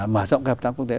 mở rộng cái hợp tác quốc tế